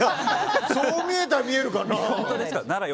そう見たら見えるかな？